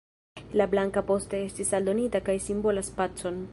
La blanka poste estis aldonita kaj simbolas pacon.